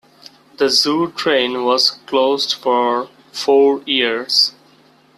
The zoo train was closed for four years.